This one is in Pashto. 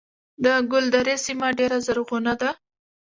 د ګلدرې سیمه ډیره زرغونه ده